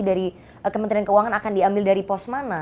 dari kementerian keuangan akan diambil dari pos mana